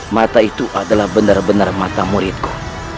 mata itu adalah benar benar mata muridku